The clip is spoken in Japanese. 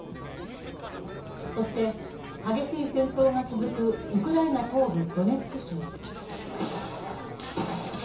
そして激しい戦闘が続くウクライナ東部ドネツク州。